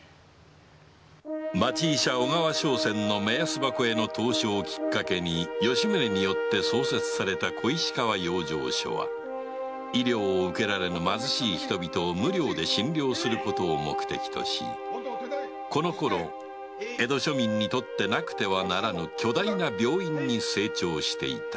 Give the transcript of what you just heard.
町医者・小川笙船の目安箱への投書をきっかけに吉宗によって創設された小石川養生所は医療を受けられぬ貧しい人々を無料で診療することを目的としこのころ江戸庶民にとってなくてはならぬ巨大な病院に成長していた